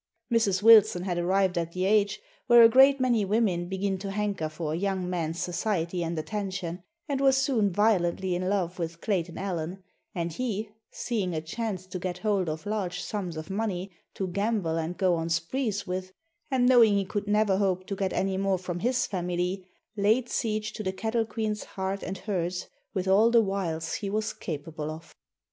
Mrs. Wilson had arrived at the age where a great many women begin to hanker for a young man's society and attention, and was soon violently in love with Clayton Allen; and he, seeing a chance to get hold of large sums of money to gamble and go on sprees with, and knowing he could never hope to get any more from his family, laid siege to the Cattle Queen's heart and herds with all the wiles he was capable of.